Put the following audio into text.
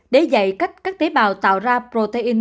để dạy cách các tế bào tạo ra protein